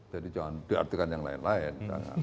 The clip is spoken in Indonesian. jadi jangan diartikan yang lain lain